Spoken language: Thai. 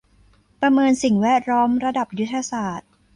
ประเมินสิ่งแวดล้อมระดับยุทธศาสตร์